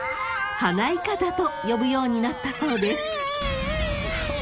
［と呼ぶようになったそうです］